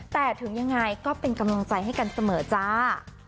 แต่ถึงยังไงก็เป็นกำลังใจให้กันเสมอจ้า